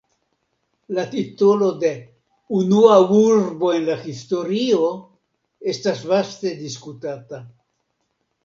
La titolo de "unua urbo en la historio" estas vaste diskutata.